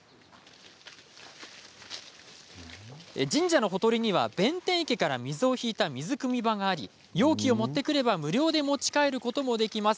神社のほとりには弁天池から水を引いた水くみ場があり容器を持ってくれば無料で持ち帰ることができます。